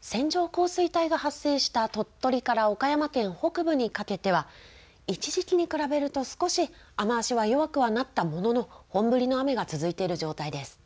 線状降水帯が発生した鳥取から岡山県北部にかけては一時期に比べると少し雨足は弱くはなったものの本降りの雨が続いている状態です。